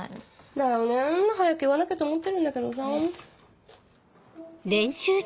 だよね早く言わなきゃと思ってるんだけどさ。